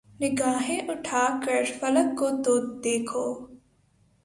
نگاھیں اٹھا کر فلک کو تو دیکھو